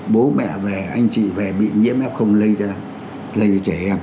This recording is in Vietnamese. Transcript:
bố mẹ về anh chị về bị nhiễm ép không lây cho trẻ em